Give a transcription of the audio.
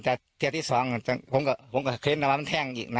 แต่เทียดที่สองจังผมก็ผมก็เคล็นต์แล้วมันแท่งอีกนะ